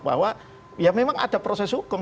bahwa ya memang ada proses hukum